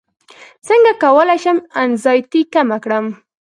څنګه کولی شم انزیتي کمه کړم